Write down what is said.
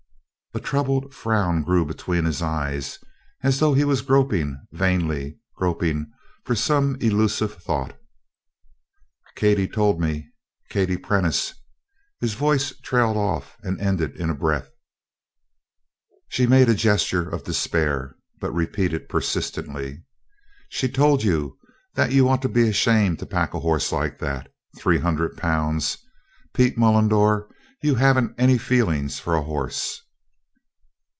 A troubled frown grew between his eyes as though he was groping, vainly groping for some elusive thought. "Katie told me Katie Prentice " His voice trailed off and ended in a breath. She made a gesture of despair, but repeated persistently: "She told you that you ought to be ashamed to pack a horse like that. Three hundred pounds, Pete Mullendore! You haven't any feeling for a horse."